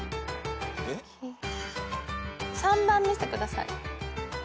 ３番見せてください。